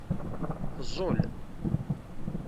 Teẓẓul.